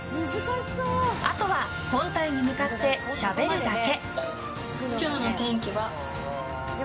あとは本体に向かってしゃべるだけ。